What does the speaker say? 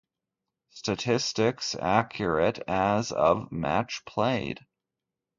"Statistics accurate as of match played "